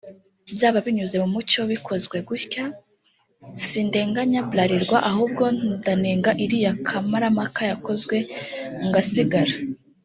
Byaba binyuze mu mucyo bikozwe gutya […] Sindenganya Bralirwa ahubwo ndanenga iriya kamarampaka yakozwe ngasigara